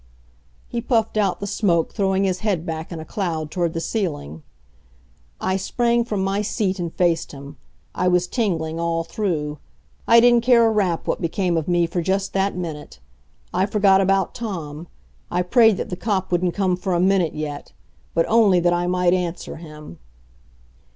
He puffed out the smoke, throwing his head back, in a cloud toward the ceiling. I sprang from my seat and faced him. I was tingling all through. I didn't care a rap what became of me for just that minute. I forgot about Tom. I prayed that the cop wouldn't come for a minute yet but only that I might answer him.